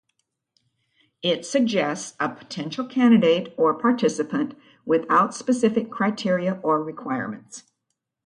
It suggests a potential candidate or participant without specific criteria or requirements.